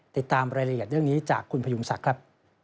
ติดตามรายละเอียดเรื่องนี้จากคุณพยุงศักดิ์ครับ